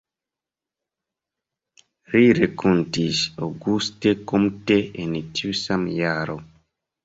Li renkontis Auguste Comte en tiu sama jaro.